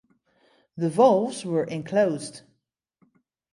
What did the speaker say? The valves were enclosed.